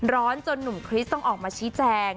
จนหนุ่มคริสต้องออกมาชี้แจง